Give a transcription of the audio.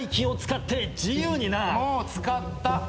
もう使った。